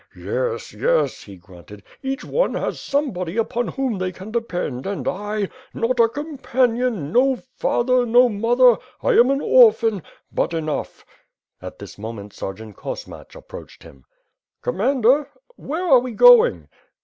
"Yes, yes," he grunted, "each one has somebody upon whom they can depend and I — ^not a companion, no father, no mother; I am an orphan — ^but enough." At this moment hergeant Kosmach approached him. "Commander, where are we going?''